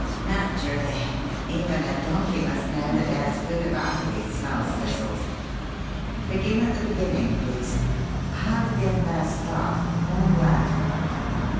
"Naturally. Even a donkey must know that there's food about if he smells thistles. Begin at the beginning, please. How did the affair start? When and where?"